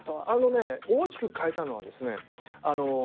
あのね大きく変えたのはですね